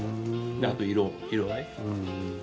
あと色合い。